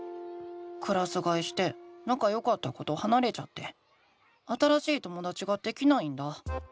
クラスがえしてなかよかった子とはなれちゃって新しいともだちができないんだ。